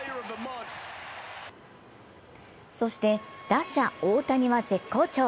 そして打者大谷は絶好調。